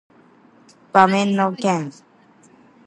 馬面の犬